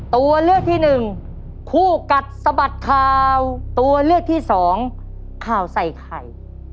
ตัวเลือกที่หนึ่งคู่กัดสะบัดข่าวตัวเลือกที่สองข่าวใส่ไข่